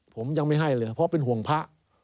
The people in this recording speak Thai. ผมยังไม่ให้เลยเพราะเป็นห่วงพระ